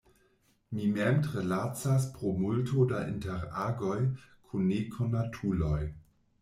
Mi mem tre lacas pro multo da interagoj kun nekonatuloj.